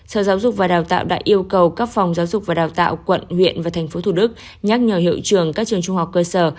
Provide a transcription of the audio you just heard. sở giáo dục và đào tạo đã yêu cầu các phòng giáo dục và đào tạo quận huyện và tp hcm nhắc nhờ hiệu trường các trường trung học cơ sở